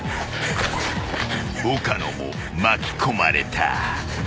［岡野も巻き込まれた］